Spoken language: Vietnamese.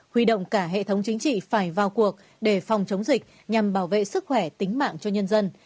huy động cả hệ thống chính trị phải vào cuộc để phòng chống dịch nhằm bảo vệ sức khỏe tính mạng cho nhân dân